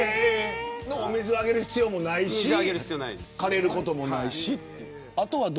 お水はあげる必要もないし枯れることもない。